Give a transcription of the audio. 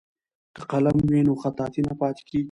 که قلم وي نو خطاطي نه پاتې کیږي.